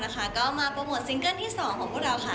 ก็มาโปรโมทซิงเกิ้ลที่๒ของพวกเราค่ะ